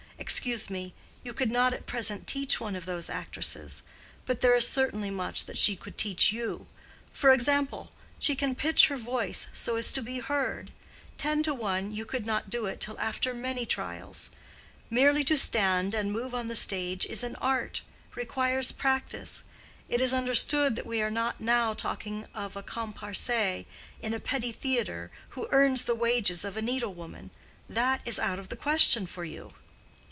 Excuse me; you could not at present teach one of those actresses; but there is certainly much that she could teach you. For example, she can pitch her voice so as to be heard: ten to one you could not do it till after many trials. Merely to stand and move on the stage is an art—requires practice. It is understood that we are not now talking of a comparse in a petty theatre who earns the wages of a needle woman. That is out of the question for you."